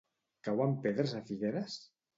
Cauen pedres a Figueres?